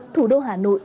thủ đô hà nội